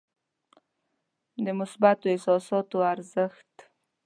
د مثبتو احساساتو ارزښت.